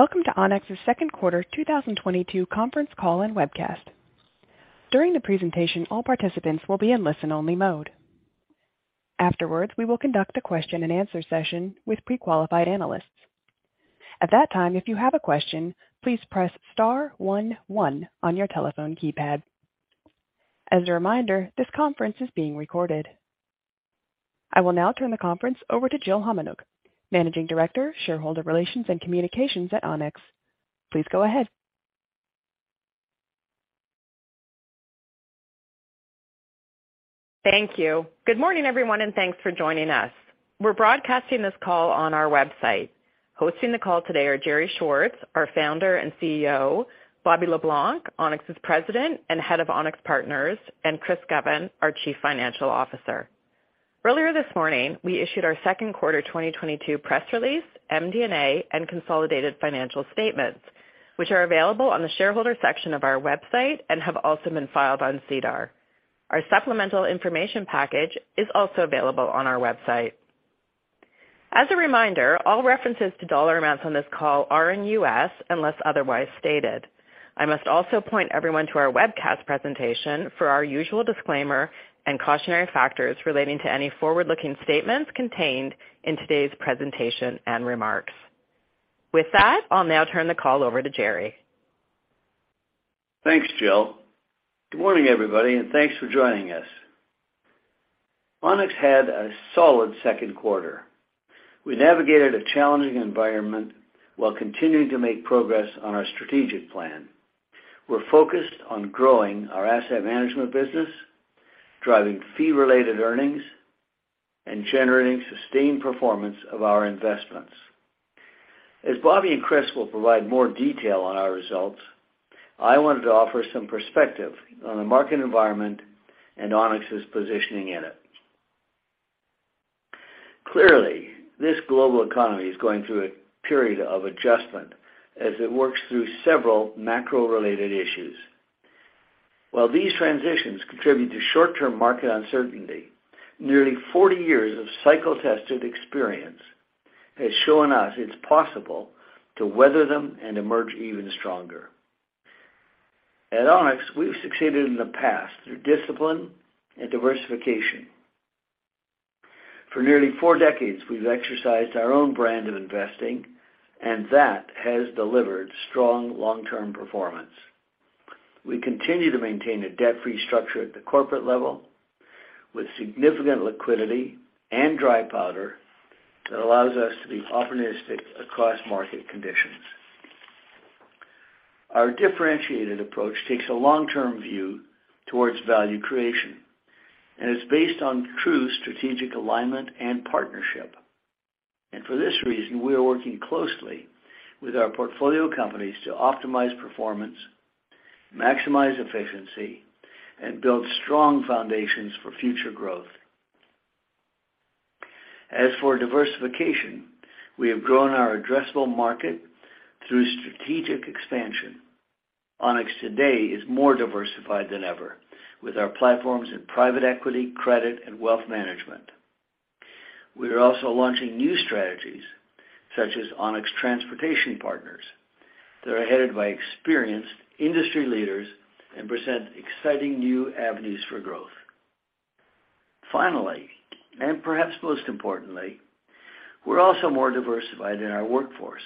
Welcome to Onex's second quarter 2022 conference call and webcast. During the presentation, all participants will be in listen-only mode. Afterwards, we will conduct a question-and-answer session with pre-qualified analysts. At that time, if you have a question, please press star one one on your telephone keypad. As a reminder, this conference is being recorded. I will now turn the conference over to Jill Homenuk, Managing Director, Shareholder Relations and Communications at Onex. Please go ahead. Thank you. Good morning, everyone, and thanks for joining us. We're broadcasting this call on our website. Hosting the call today are Gerry Schwartz, our Founder and CEO, Bobby Le Blanc, Onex's President and Head of Onex Partners, and Chris Govan, our Chief Financial Officer. Earlier this morning, we issued our second quarter 2022 press release, MD&A, and consolidated financial statements, which are available on the shareholder section of our website and have also been filed on SEDAR. Our supplemental information package is also available on our website. As a reminder, all references to dollar amounts on this call are in U.S., unless otherwise stated. I must also point everyone to our webcast presentation for our usual disclaimer and cautionary factors relating to any forward-looking statements contained in today's presentation and remarks. With that, I'll now turn the call over to Gerry. Thanks, Jill. Good morning, everybody, and thanks for joining us. Onex had a solid second quarter. We navigated a challenging environment while continuing to make progress on our strategic plan. We're focused on growing our asset management business, driving fee-related earnings, and generating sustained performance of our investments. As Bobby and Chris will provide more detail on our results, I wanted to offer some perspective on the market environment and Onex's positioning in it. Clearly, this global economy is going through a period of adjustment as it works through several macro-related issues. While these transitions contribute to short-term market uncertainty, nearly 40 years of cycle-tested experience has shown us it's possible to weather them and emerge even stronger. At Onex, we've succeeded in the past through discipline and diversification. For nearly 4 decades, we've exercised our own brand of investing, and that has delivered strong long-term performance. We continue to maintain a debt-free structure at the corporate level with significant liquidity and dry powder that allows us to be opportunistic across market conditions. Our differentiated approach takes a long-term view towards value creation, and it's based on true strategic alignment and partnership. For this reason, we are working closely with our portfolio companies to optimize performance, maximize efficiency, and build strong foundations for future growth. As for diversification, we have grown our addressable market through strategic expansion. Onex today is more diversified than ever with our platforms in private equity, credit, and wealth management. We are also launching new strategies, such as Onex Transportation Partners, that are headed by experienced industry leaders and present exciting new avenues for growth. Finally, and perhaps most importantly, we're also more diversified in our workforce.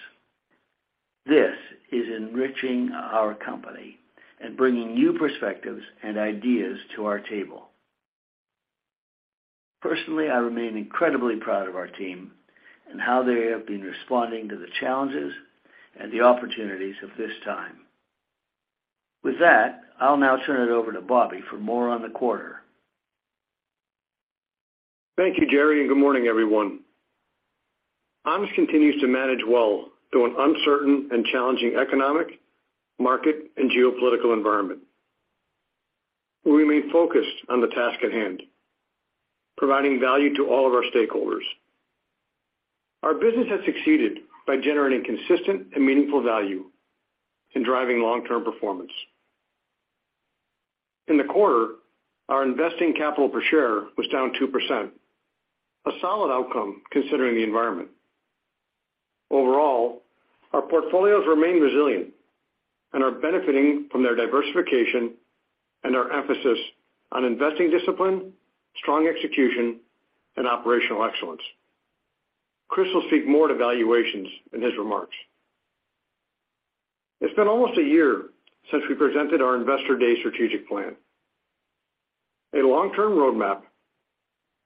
This is enriching our company and bringing new perspectives and ideas to our table. Personally, I remain incredibly proud of our team and how they have been responding to the challenges and the opportunities of this time. With that, I'll now turn it over to Bobby for more on the quarter. Thank you, Gerry, and good morning, everyone. Onex continues to manage well through an uncertain and challenging economic, market, and geopolitical environment. We remain focused on the task at hand, providing value to all of our stakeholders. Our business has succeeded by generating consistent and meaningful value and driving long-term performance. In the quarter, our investing capital per share was down 2%, a solid outcome considering the environment. Overall, our portfolios remain resilient and are benefiting from their diversification and our emphasis on investing discipline, strong execution, and operational excellence. Chris will speak more to valuations in his remarks. It's been almost a year since we presented our Investor Day strategic plan. A long-term roadmap,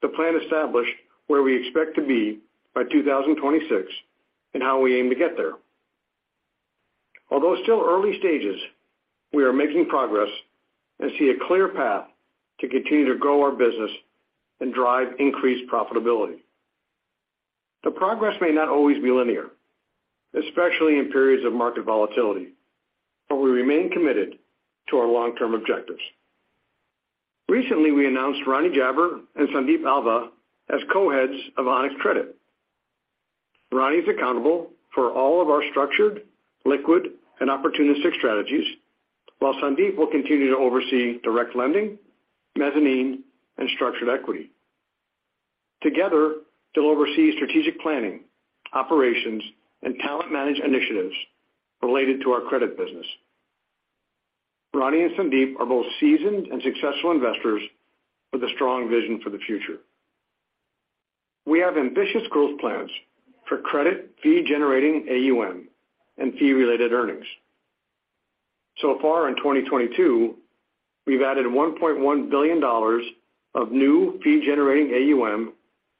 the plan established where we expect to be by 2026 and how we aim to get there. Although still early stages, we are making progress and see a clear path to continue to grow our business and drive increased profitability. The progress may not always be linear, especially in periods of market volatility, but we remain committed to our long-term objectives. Recently, we announced Ronnie Jaber and Sandeep Alva as co-heads of Onex Credit. Ronnie is accountable for all of our structured, liquid, and opportunistic strategies, while Sandeep will continue to oversee direct lending, mezzanine, and structured equity. Together, they'll oversee strategic planning, operations, and talent management initiatives related to our credit business. Ronnie and Sandeep are both seasoned and successful investors with a strong vision for the future. We have ambitious growth plans for credit fee-generating AUM and fee-related earnings. So far in 2022, we've added $1.1 billion of new fee-generating AUM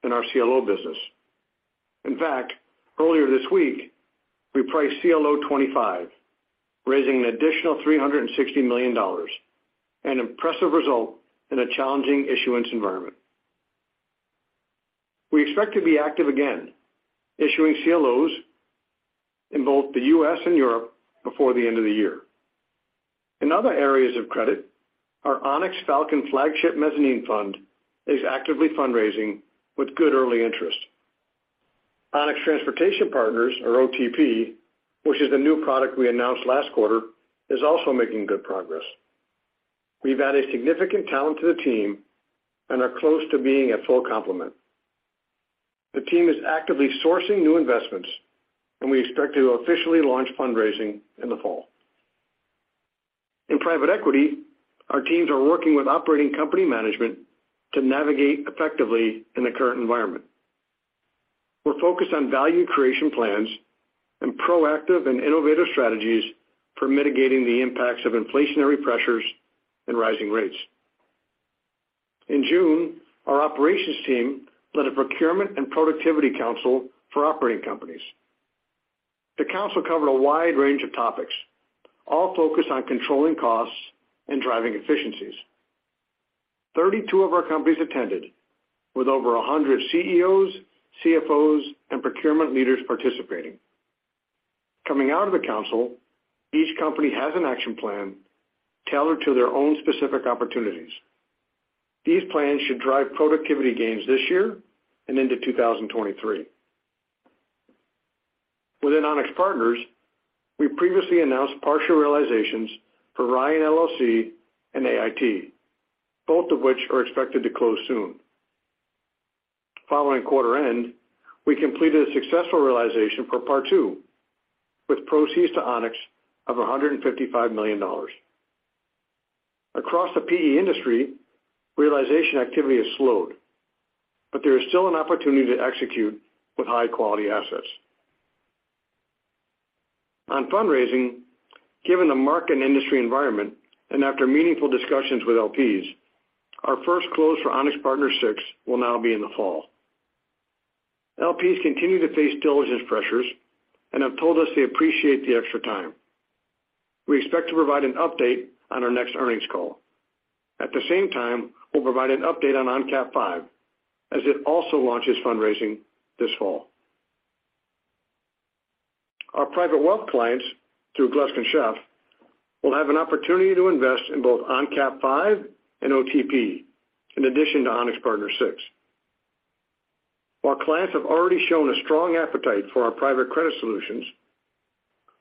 in our CLO business. In fact, earlier this week, we priced Onex CLO 25, raising an additional $360 million, an impressive result in a challenging issuance environment. We expect to be active again, issuing CLOs in both the U.S. and Europe before the end of the year. In other areas of credit, our Onex Falcon flagship mezzanine fund is actively fundraising with good early interest. Onex Transportation Partners or OTP, which is the new product we announced last quarter, is also making good progress. We've added significant talent to the team and are close to being at full complement. The team is actively sourcing new investments, and we expect to officially launch fundraising in the fall. In private equity, our teams are working with operating company management to navigate effectively in the current environment. We're focused on value creation plans and proactive and innovative strategies for mitigating the impacts of inflationary pressures and rising rates. In June, our operations team led a procurement and productivity council for operating companies. The council covered a wide range of topics, all focused on controlling costs and driving efficiencies. 32 of our companies attended with over 100 CEOs, CFOs, and procurement leaders participating. Coming out of the council, each company has an action plan tailored to their own specific opportunities. These plans should drive productivity gains this year and into 2023. Within Onex Partners, we previously announced partial realizations for Ryan LLC and AIT, both of which are expected to close soon. Following quarter end, we completed a successful realization for Partou with proceeds to Onex of $155 million. Across the PE industry, realization activity has slowed, but there is still an opportunity to execute with high-quality assets. On fundraising, given the market and industry environment and after meaningful discussions with LPs, our first close for Onex Partners VI will now be in the fall. LPs continue to face diligence pressures and have told us they appreciate the extra time. We expect to provide an update on our next earnings call. At the same time, we'll provide an update on ONCAP V as it also launches fundraising this fall. Our private wealth clients through Gluskin Sheff will have an opportunity to invest in both ONCAP V and OTP in addition to Onex Partners VI. While clients have already shown a strong appetite for our private credit solutions,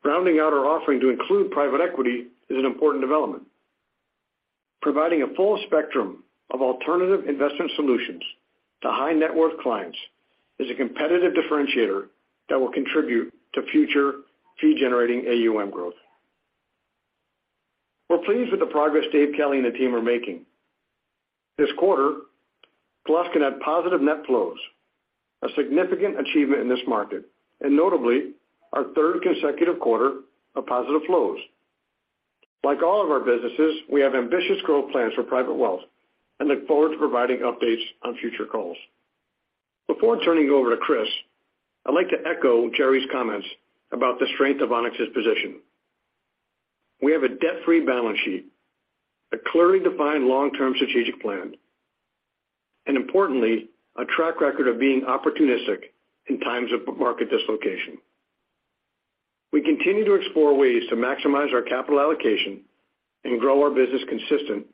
rounding out our offering to include private equity is an important development. Providing a full spectrum of alternative investment solutions to high net worth clients is a competitive differentiator that will contribute to future fee generating AUM growth. We're pleased with the progress Dave Kelly and the team are making. This quarter, Gluskin had positive net flows, a significant achievement in this market, and notably our third consecutive quarter of positive flows. Like all of our businesses, we have ambitious growth plans for private wealth and look forward to providing updates on future calls. Before turning it over to Chris, I'd like to echo Gerry's comments about the strength of Onex's position. We have a debt-free balance sheet, a clearly defined long-term strategic plan, and importantly, a track record of being opportunistic in times of market dislocation. We continue to explore ways to maximize our capital allocation and grow our business consistent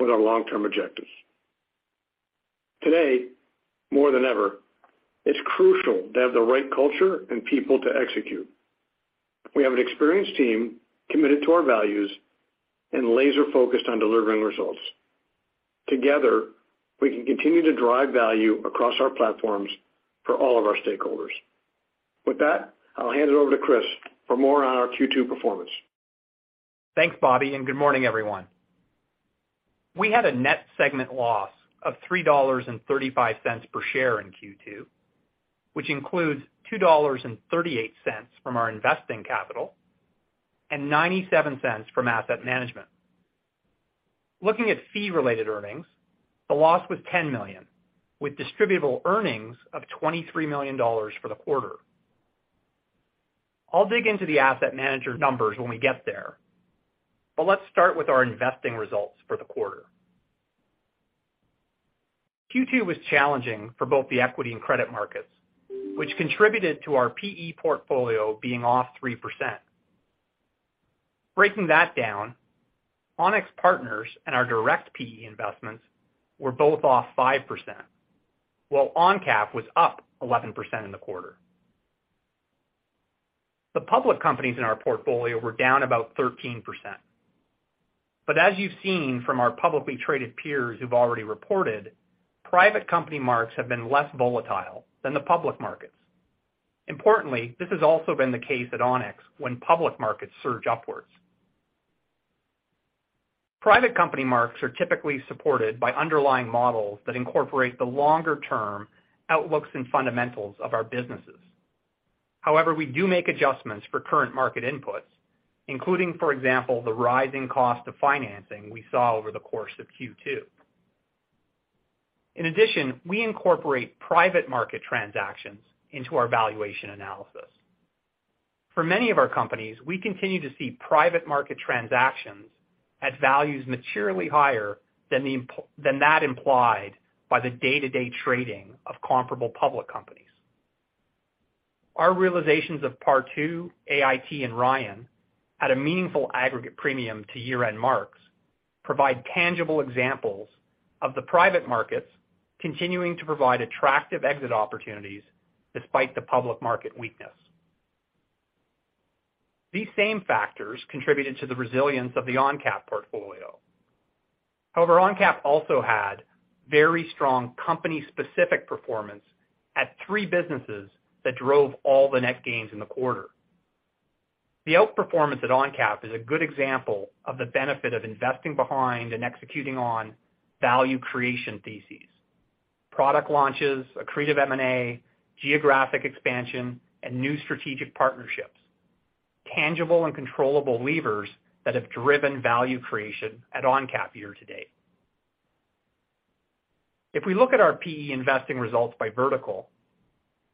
with our long-term objectives. Today, more than ever, it's crucial to have the right culture and people to execute. We have an experienced team committed to our values and laser-focused on delivering results. Together, we can continue to drive value across our platforms for all of our stakeholders. With that, I'll hand it over to Chris for more on our Q2 performance. Thanks, Bobby, and good morning, everyone. We had a net segment loss of $3.35 per share in Q2, which includes $2.38 from our investing capital and $0.97 from asset management. Looking at fee-related earnings, the loss was $10 million, with distributable earnings of $23 million for the quarter. I'll dig into the asset manager numbers when we get there, but let's start with our investing results for the quarter. Q2 was challenging for both the equity and credit markets, which contributed to our PE portfolio being off 3%. Breaking that down, Onex Partners and our direct PE investments were both off 5%, while ONCAP was up 11% in the quarter. The public companies in our portfolio were down about 13%. As you've seen from our publicly traded peers who've already reported, private company marks have been less volatile than the public markets. Importantly, this has also been the case at Onex when public markets surge upwards. Private company marks are typically supported by underlying models that incorporate the longer-term outlooks and fundamentals of our businesses. However, we do make adjustments for current market inputs, including, for example, the rising cost of financing we saw over the course of Q2. In addition, we incorporate private market transactions into our valuation analysis. For many of our companies, we continue to see private market transactions at values materially higher than that implied by the day-to-day trading of comparable public companies. Our realizations of Partou, AIT, and Ryan at a meaningful aggregate premium to year-end marks provide tangible examples of the private markets continuing to provide attractive exit opportunities despite the public market weakness. These same factors contributed to the resilience of the ONCAP portfolio. However, ONCAP also had very strong company-specific performance at three businesses that drove all the net gains in the quarter. The outperformance at ONCAP is a good example of the benefit of investing behind and executing on value creation theses. Product launches, accretive M&A, geographic expansion, and new strategic partnerships. Tangible and controllable levers that have driven value creation at ONCAP year to date. If we look at our PE investing results by vertical,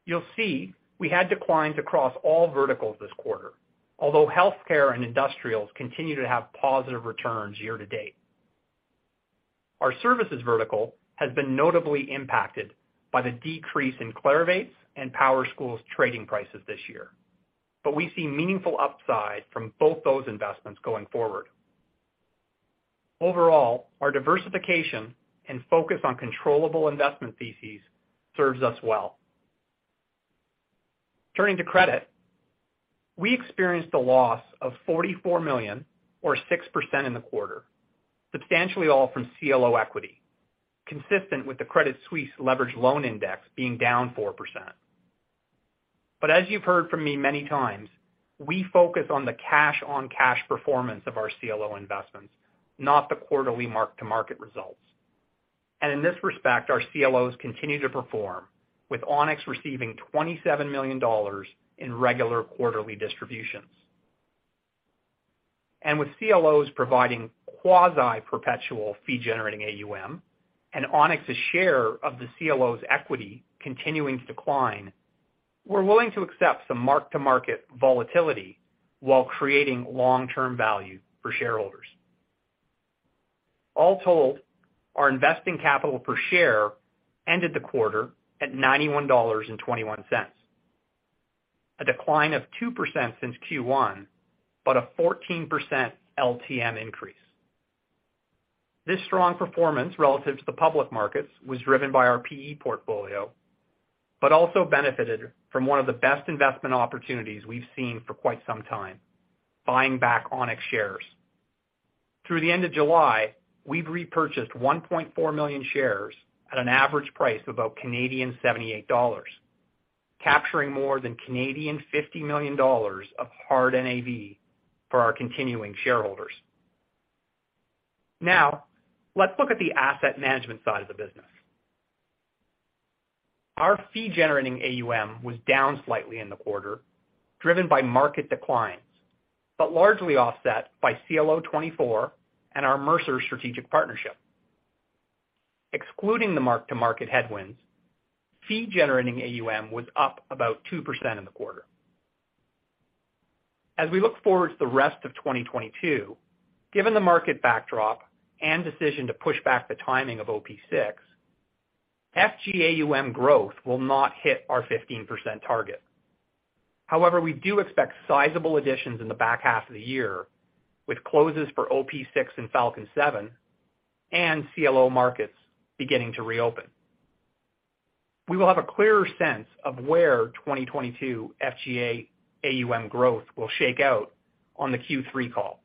you'll see we had declines across all verticals this quarter, although healthcare and industrials continue to have positive returns year to date. Our services vertical has been notably impacted by the decrease in Clarivate's and PowerSchool's trading prices this year. We see meaningful upside from both those investments going forward. Overall, our diversification and focus on controllable investment theses serves us well. Turning to credit. We experienced a loss of $44 million or 6% in the quarter, substantially all from CLO equity, consistent with the Credit Suisse Leveraged Loan Index being down 4%. As you've heard from me many times, we focus on the cash-on-cash performance of our CLO investments, not the quarterly mark-to-market results. In this respect, our CLOs continue to perform, with Onex receiving $27 million in regular quarterly distributions. With CLOs providing quasi-perpetual fee-generating AUM and Onex's share of the CLO's equity continuing to decline, we're willing to accept some mark-to-market volatility while creating long-term value for shareholders. All told, our investing capital per share ended the quarter at $91.21, a decline of 2% since Q1, but a 14% LTM increase. This strong performance relative to the public markets was driven by our PE portfolio, but also benefited from one of the best investment opportunities we've seen for quite some time, buying back Onex shares. Through the end of July, we've repurchased 1.4 million shares at an average price of about 78 Canadian dollars, capturing more than 50 million Canadian dollars of hard NAV for our continuing shareholders. Now, let's look at the asset management side of the business. Our fee-generating AUM was down slightly in the quarter, driven by market declines, but largely offset by CLO 24 and our Mercer strategic partnership. Excluding the mark-to-market headwinds, fee-generating AUM was up about 2% in the quarter. As we look forward to the rest of 2022, given the market backdrop and decision to push back the timing of OP VI, FG AUM growth will not hit our 15% target. However, we do expect sizable additions in the back half of the year with closes for OP VI and Falcon VII and CLO markets beginning to reopen. We will have a clearer sense of where 2022 FG AUM growth will shake out on the Q3 call.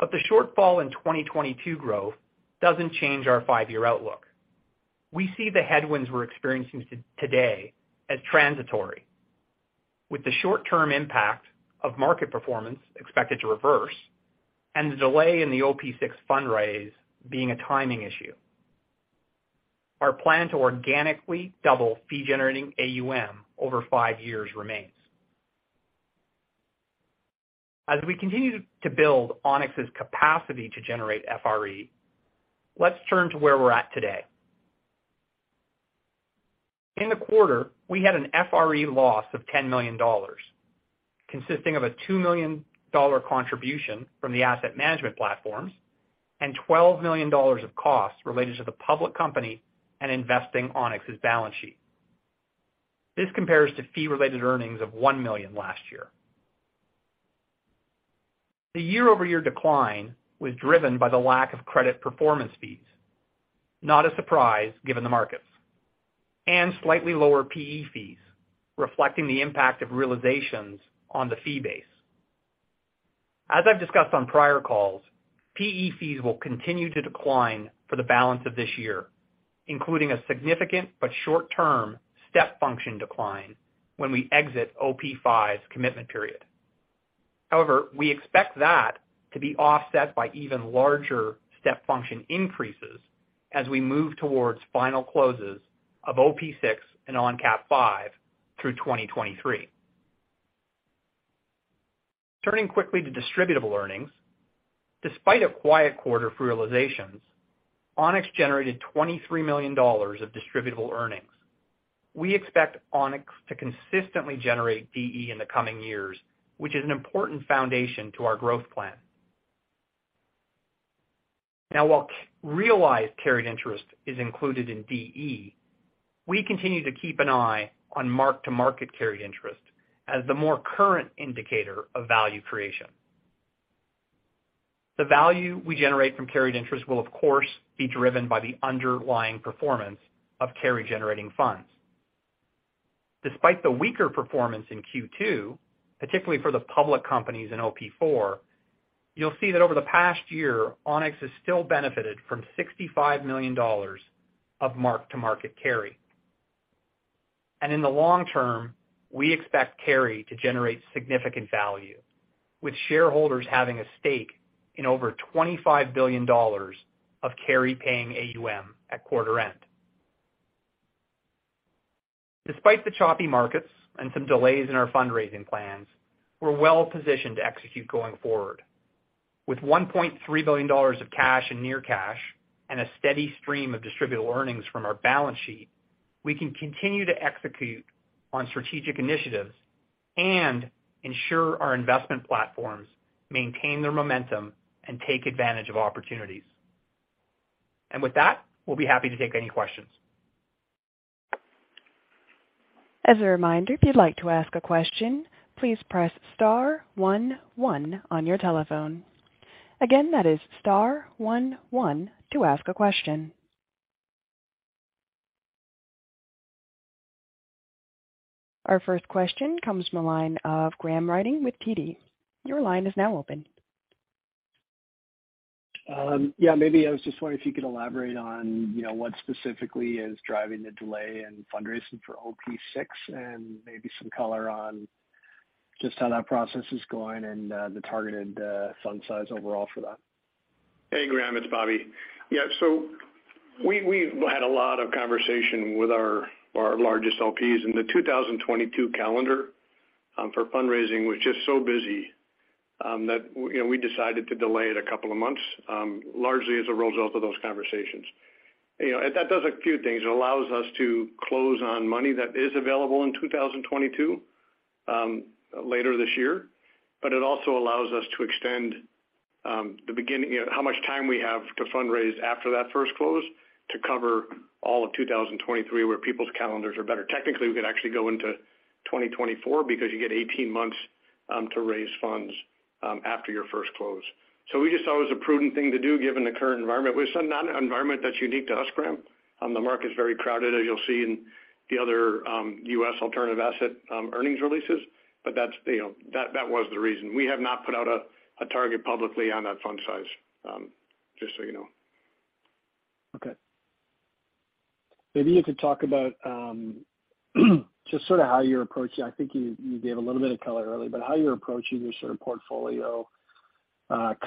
The shortfall in 2022 growth doesn't change our 5-year outlook. We see the headwinds we're experiencing today as transitory. With the short-term impact of market performance expected to reverse and the delay in the OP VI fundraise being a timing issue, our plan to organically double fee-generating AUM over 5 years remains. As we continue to build Onex's capacity to generate FRE, let's turn to where we're at today. In the quarter, we had an FRE loss of $10 million, consisting of a $2 million contribution from the asset management platforms and $12 million of costs related to the public company and investing Onex's balance sheet. This compares to fee-related earnings of $1 million last year. The year-over-year decline was driven by the lack of credit performance fees, not a surprise given the markets, and slightly lower PE fees, reflecting the impact of realizations on the fee base. As I've discussed on prior calls, PE fees will continue to decline for the balance of this year, including a significant but short term step function decline when we exit OP V's commitment period. However, we expect that to be offset by even larger step function increases as we move towards final closes of OP VI and ONCAP V through 2023. Turning quickly to distributable earnings. Despite a quiet quarter for realizations, Onex generated $23 million of distributable earnings. We expect Onex to consistently generate DE in the coming years, which is an important foundation to our growth plan. Now, while realized carried interest is included in DE, we continue to keep an eye on mark-to-market carried interest as the more current indicator of value creation. The value we generate from carried interest will of course be driven by the underlying performance of carry generating funds. Despite the weaker performance in Q2, particularly for the public companies in OP IV, you'll see that over the past year, Onex has still benefited from $65 million of mark-to-market carry. In the long term, we expect carry to generate significant value, with shareholders having a stake in over $25 billion of carry paying AUM at quarter end. Despite the choppy markets and some delays in our fundraising plans, we're well positioned to execute going forward. With $1.3 billion of cash and near cash and a steady stream of distributable earnings from our balance sheet, we can continue to execute on strategic initiatives and ensure our investment platforms maintain their momentum and take advantage of opportunities. With that, we'll be happy to take any questions. As a reminder, if you'd like to ask a question, please press star one one on your telephone. Again, that is star one one to ask a question. Our first question comes from the line of Graham Ryding with TD. Your line is now open. Yeah, maybe I was just wondering if you could elaborate on, you know, what specifically is driving the delay in fundraising for OP VI and maybe some color on just how that process is going and the targeted fund size overall for that. Hey Graham, it's Bobby. Yeah, so we had a lot of conversation with our largest LPs, and the 2022 calendar for fundraising was just so busy that, you know, we decided to delay it a couple of months, largely as a result of those conversations. You know, that does a few things. It allows us to close on money that is available in 2022 later this year, but it also allows us to extend the beginning, you know, how much time we have to fundraise after that first close to cover all of 2023 where people's calendars are better. Technically, we could actually go into 2024 because you get 18 months to raise funds after your first close. We just thought it was a prudent thing to do given the current environment. We're not in an environment that's unique to us, Graham. The market's very crowded, as you'll see in the other U.S. alternative asset earnings releases. That's, you know, that was the reason. We have not put out a target publicly on that fund size, just so you know. Okay. Maybe you could talk about just sort of how you're approaching. I think you gave a little bit of color earlier, but how you're approaching your sort of portfolio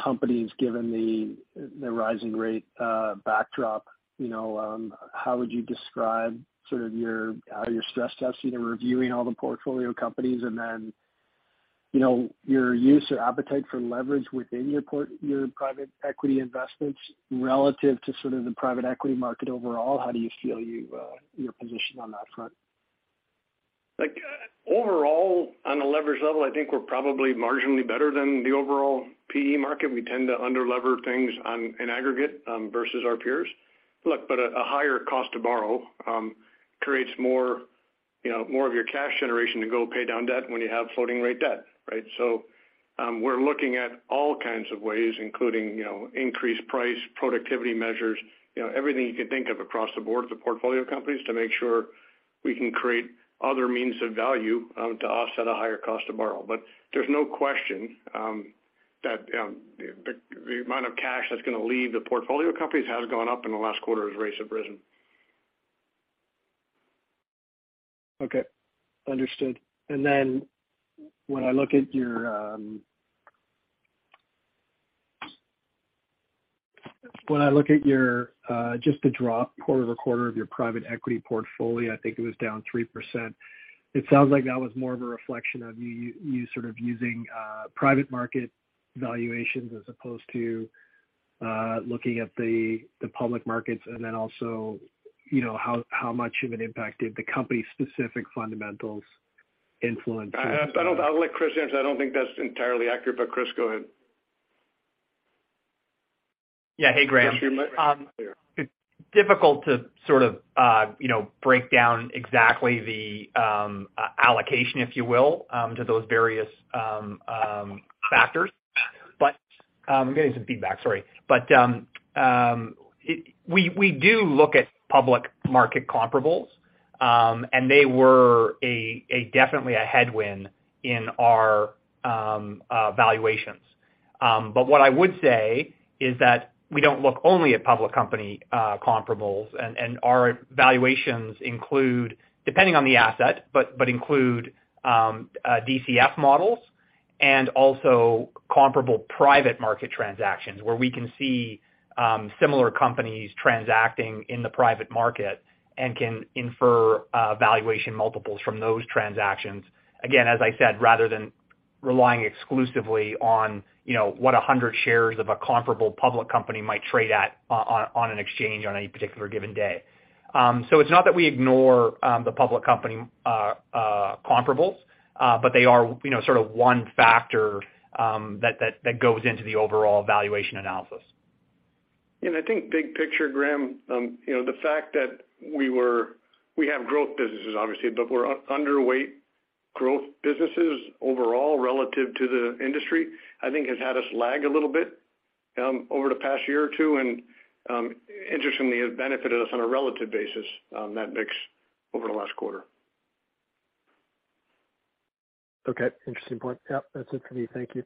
companies given the rising rate backdrop. You know, how would you describe sort of how you're stress testing and reviewing all the portfolio companies? You know, your use or appetite for leverage within your private equity investments relative to sort of the private equity market overall, how do you feel your position on that front? Like, overall, on a leverage level, I think we're probably marginally better than the overall PE market. We tend to underlever things on an aggregate versus our peers. Look, a higher cost to borrow creates more, you know, more of your cash generation to go pay down debt when you have floating rate debt, right? We're looking at all kinds of ways, including, you know, increased price, productivity measures, you know, everything you can think of across the board of the portfolio companies to make sure we can create other means of value to offset a higher cost to borrow. There's no question that the amount of cash that's gonna leave the portfolio companies has gone up in the last quarter as rates have risen. Okay. Understood. When I look at your just the drop quarter over quarter of your private equity portfolio, I think it was down 3%. It sounds like that was more of a reflection of you sort of using private market valuations as opposed to looking at the public markets. You know, how much of an impact did the company-specific fundamentals influence? I'll let Chris answer. I don't think that's entirely accurate, but Chris, go ahead. Yeah. Hey, Graham. It's difficult to sort of, you know, break down exactly the allocation, if you will, to those various factors. I'm getting some feedback, sorry. We do look at public market comparables, and they were definitely a headwind in our valuations. What I would say is that we don't look only at public company comparables, and our valuations include, depending on the asset, but include DCF models and also comparable private market transactions where we can see similar companies transacting in the private market and can infer valuation multiples from those transactions. Again, as I said, rather than relying exclusively on, you know, what 100 shares of a comparable public company might trade at on an exchange on any particular given day. It's not that we ignore the public company comparables, but they are, you know, sort of one factor that goes into the overall valuation analysis. I think big picture, Graham, you know, the fact that we have growth businesses obviously, but we're underweight growth businesses overall relative to the industry, I think has had us lag a little bit, over the past year or two, and, interestingly, has benefited us on a relative basis, that mix over the last quarter. Okay. Interesting point. Yep, that's it for me. Thank you.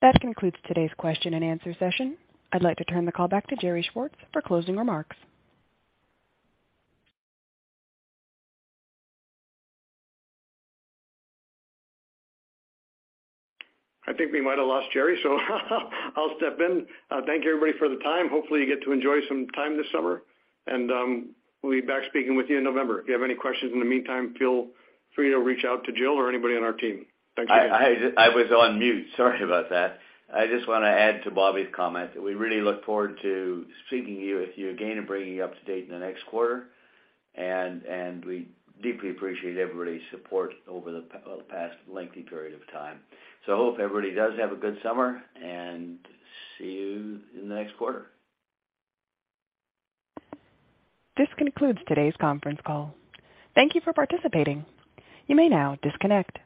That concludes today's question and answer session. I'd like to turn the call back to Gerry Schwartz for closing remarks. I think we might have lost Gerry, so I'll step in. Thank you, everybody, for the time. Hopefully, you get to enjoy some time this summer, and we'll be back speaking with you in November. If you have any questions in the meantime, feel free to reach out to Jill or anybody on our team. Thanks again. I was on mute. Sorry about that. I just wanna add to Bobby's comment, that we really look forward to speaking to you, with you again and bringing you up to date in the next quarter. We deeply appreciate everybody's support over the past lengthy period of time. I hope everybody does have a good summer, and see you in the next quarter. This concludes today's conference call. Thank you for participating. You may now disconnect.